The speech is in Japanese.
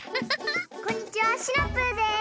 こんにちはシナプーです。